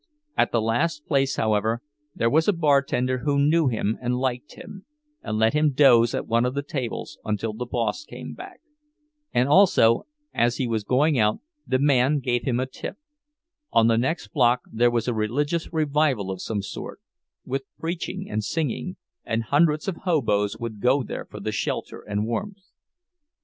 At the last place, however, there was a bartender who knew him and liked him, and let him doze at one of the tables until the boss came back; and also, as he was going out, the man gave him a tip—on the next block there was a religious revival of some sort, with preaching and singing, and hundreds of hoboes would go there for the shelter and warmth.